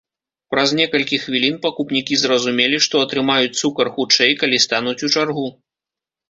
Праз некалькі хвілін пакупнікі зразумелі, што атрымаюць цукар хутчэй, калі стануць у чаргу.